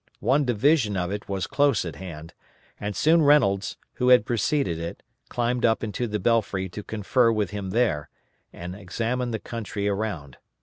One division of it was close at hand, and soon Reynolds, who had preceded it, climbed up into the belfry to confer with him there, and examine the country around.